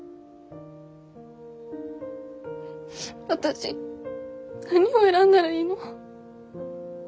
私何を選んだらいいの？